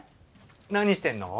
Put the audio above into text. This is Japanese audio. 何してんの？